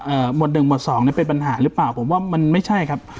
หมวดหนึ่งหมวดสองเนี้ยเป็นปัญหาหรือเปล่าผมว่ามันไม่ใช่ครับ